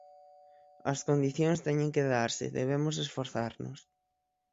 As condicións teñen que darse, debemos esforzarnos.